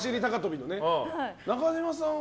中島さんは？